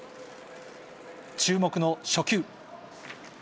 注目の初球。